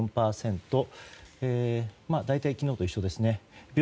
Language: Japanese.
大体昨日と一緒ですね。